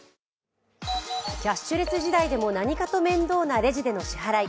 キャッシュレス時代でも何かと面倒なレジでの支払い。